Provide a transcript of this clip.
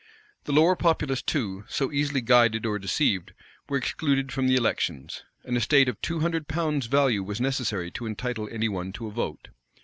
The lower populace too, so easily guided or deceived, were excluded from the elections: an estate of two hundred pounds' value was necessary to entitle any one to a vote.